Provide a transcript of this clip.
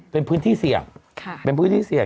เป็นพื้นที่เสี่ยง